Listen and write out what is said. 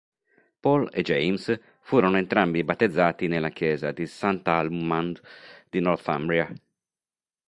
Paul e James furono entrambi battezzati nella chiesa di Sant'Alhmund di Northumbria.